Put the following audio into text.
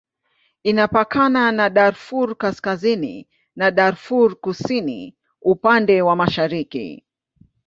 Inapakana na Darfur Kaskazini na Darfur Kusini upande wa mashariki.